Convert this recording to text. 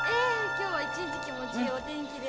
一日気持ちいいお天気で。